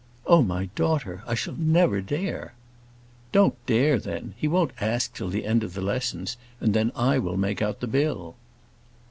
"Oh, my daughter! I shall never dare." "Don't dare, then! He won't ask till the end of the lessons, and then I will make out the bill."